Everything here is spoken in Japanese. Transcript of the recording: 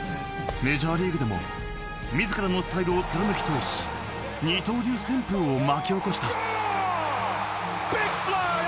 メジャーリーグでも自らのスタイルを貫きとおし二刀流旋風を巻き起こした。